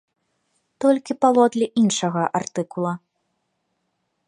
Толькі паводле іншага артыкула.